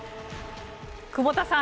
久保田さん